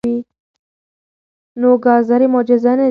نو ګازرې معجزه نه دي.